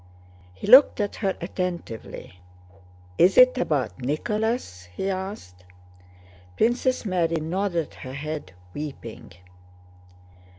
He looked at her attentively. "Is it about Nicholas?" he asked. Princess Mary nodded her head, weeping.